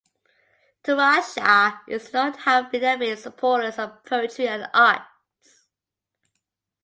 Turanshah is known to have been an avid supporters of poetry and arts.